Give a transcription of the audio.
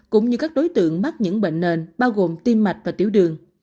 cũng như các đối tượng mắc những bệnh nền bao gồm tim mạch và tiểu đường